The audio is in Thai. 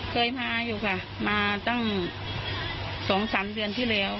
เคยมาอยู่ค่ะมาตั้ง๒๓เดือนที่แล้ว